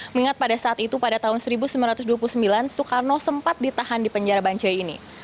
mengingat pada saat itu pada tahun seribu sembilan ratus dua puluh sembilan soekarno sempat ditahan di penjara bancai ini